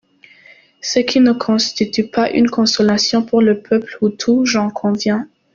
Ce qui ne constitue pas une consolation pour le peuple hutu , j’en conviens.